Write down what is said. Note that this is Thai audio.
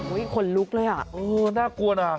โอ้ยขนลุกเลยอ่ะคุณเออน่ากลัวน่ะ